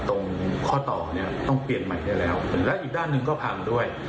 ตรงข้อต่อเนี่ยต้องเปลี่ยนใหม่ได้แล้วแล้วอีกด้านหนึ่งก็พังด้วย